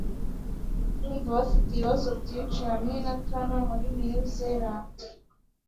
Ndumva bafite ibibazo byinshi hamwe na tunel muri New Zealand.